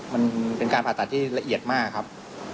มันเป็นการผ่าตัดที่ละเอียดมากครับ